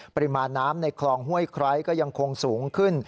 ปริมาณน้ำในคลองห้วยไคร้ก็ยังคงสูงขึ้น